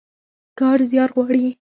کار زيار غواړي.